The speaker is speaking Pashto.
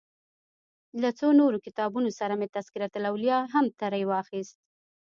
له څو نورو کتابونو سره مې تذکرة الاولیا هم ترې واخیست.